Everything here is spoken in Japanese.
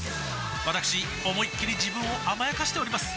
わたくし思いっきり自分を甘やかしております